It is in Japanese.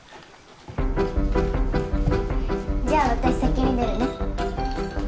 じゃあ私先に出るね。